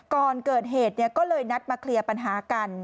ก่อนเกิดเหตุก็เลยนัดมาเคลียร์ปัญหากัน